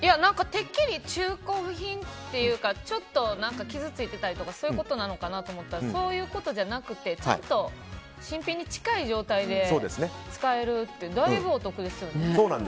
てっきり中古品というかちょっと傷がついてたりとかそういうことなのかなと思ったらそういうことじゃなくてちゃんと新品に近い状態で使えるってだいぶお得ですよね。